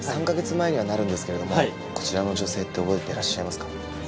３カ月前にはなるんですけれどもこちらの女性って覚えていらっしゃいますか？